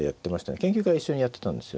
研究会は一緒にやってたんですよ。